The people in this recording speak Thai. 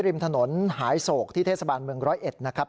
ริมถนนหายโศกที่เทศบาลเมืองร้อยเอ็ดนะครับ